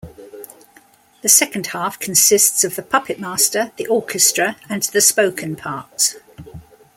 The second half consists of the puppet master, the orchestra, and the spoken parts.